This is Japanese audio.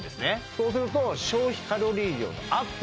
そうすると消費カロリー量のアップ